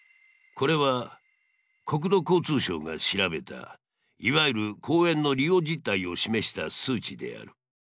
これは国土交通省が調べたいわゆる公園の利用実態を示した数値である。